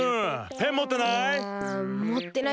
ペンもってない？